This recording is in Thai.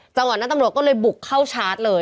จังหวะนั้นตำรวจก็เลยบุกเข้าชาร์จเลย